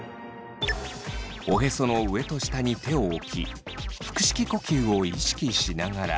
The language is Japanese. おへその上と下に手を置き腹式呼吸を意識しながら。